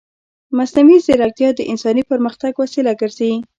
مصنوعي ځیرکتیا د انساني پرمختګ وسیله ګرځي.